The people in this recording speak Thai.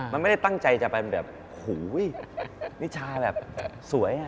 มันไม่ได้ตั้งใจจะไปแบบหูยนิชาแบบสวยอ่ะ